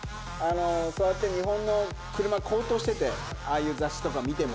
そうやって日本の車、高騰してて、ああいう雑誌とか見ても。